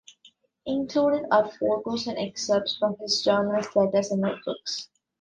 Included are photos and excerpts from his journals, letters, and notebooks.